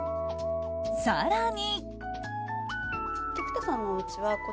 更に。